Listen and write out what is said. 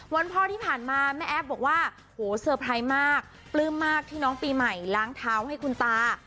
วันพ่อที่ผ่านมาแม่แอฟบอกว่าโหเซอร์ไพรส์มากปลื้มมากที่น้องปีใหม่ล้างเท้าให้คุณตา